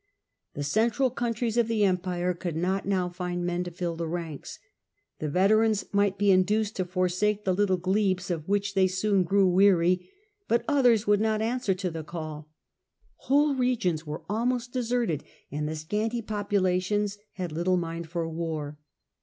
The central countries of the Empire could not now find men to fill the ranks. The veterans might be induced to forsake the little glebes of which they soon grew weary, but others would not answer to the call. Whole regions were almost deserted, and the scanty populations had little mind for war.